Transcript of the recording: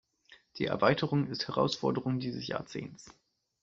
Die Erweiterung ist Herausforderung dieses Jahrzehnts.